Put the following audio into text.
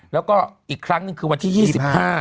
แล้วก็อีกครั้งหนึ่งคือวันที่๒๕